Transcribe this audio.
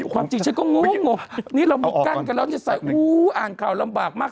ความจริงฉันก็งงนี่เรามีกั้นกันแล้วจะใส่อู้อ่านข่าวลำบากมาก